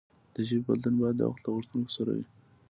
د ژبې بدلون باید د وخت له غوښتنو سره وي.